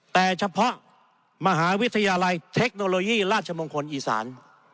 แต่เฉพาะมหาวิทยาลัยเทคโนโลยีราชมงคลอีสาน